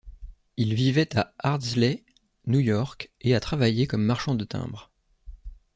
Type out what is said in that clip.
Il vivait à Ardsley, New York, et a travaillé comme marchand de timbres.